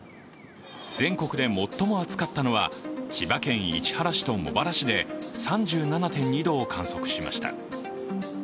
全国で最も暑かったのは千葉県市原市と茂原市で３７．２度を観測しました。